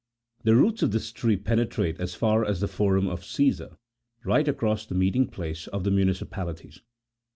The roots of this tree penetrate as far as the Forum of Caesar, right across the meeting places of the muni cipalities.